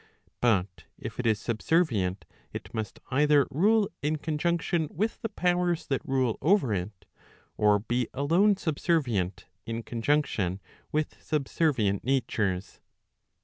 But if it is subservient, it must either rule in conjunction with the powers that rule over it, or be alone subservient in conjunction with subservient natures.